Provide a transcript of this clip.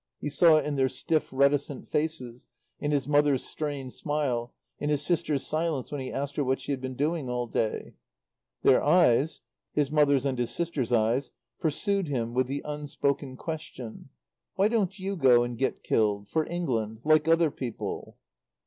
He saw it in their stiff, reticent faces, in his mother's strained smile, in his sister's silence when he asked her what she had been doing all day. Their eyes his mother's and his sister's eyes pursued him with the unspoken question: "Why don't you go and get killed for England like other people?"